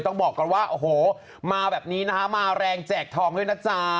บอกกันว่าโอ้โหมาแบบนี้นะคะมาแรงแจกทองด้วยนะจ๊ะ